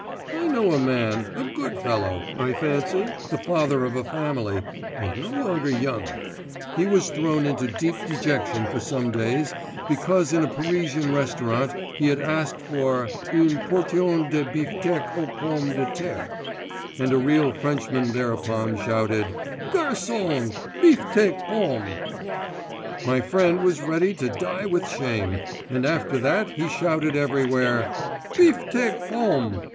I know a man a good fellow, I fancy the father of a family, and no longer young; he was thrown into deep dejection for some days because in a Parisian restaurant he had asked for une portion de biftek aux pommes de terre, and a real Frenchman thereupon shouted: Garçon! biftek pommes! My friend was ready to die with shame, and after that he shouted everywhere, _Biftek pommes!